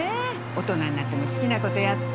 大人になっても好きなことやって。